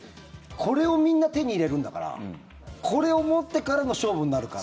これをみんな手に入れるんだからこれを持ってからの勝負になるから。